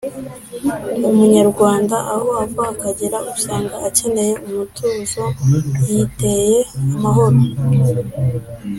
umunyarwanda aho ava akagera usanga akenyeye umutuzo yiteye amahoro